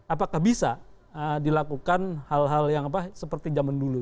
apakah bisa dilakukan hal hal yang seperti zaman dulu